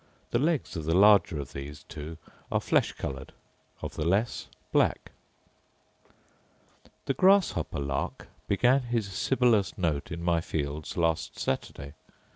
The legs of the larger of these two are flesh coloured; of the less, black. The grasshopper lark began his sibilous note in my fields last Saturday.